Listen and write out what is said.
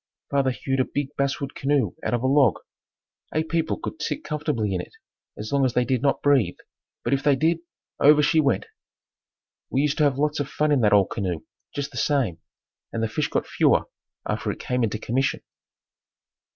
Father hewed a big basswood canoe out of a log. Eight people could sit comfortably in it as long as they did not breathe, but if they did, over she went! We used to have lots of fun in that old canoe just the same and the fish got fewer after it came into commission.